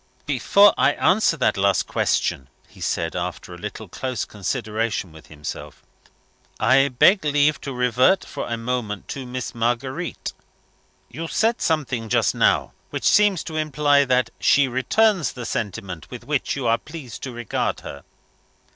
"Before I answer that last question," he said, after a little close consideration with himself, "I beg leave to revert for a moment to Miss Marguerite. You said something just now which seemed to imply that she returns the sentiment with which you are pleased to regard her?"